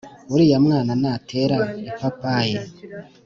uriya mwana natera ipapayi